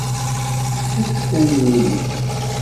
Ḥess kan i wul-ik!